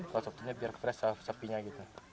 waktu sabtunya biar fresh sapinya gitu